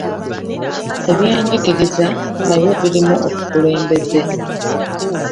Ebyenzikiriza nabyo birimu obukulembeze.